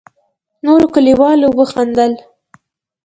نورو کليوالو وخندل.